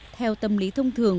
theo tâm lý thông thường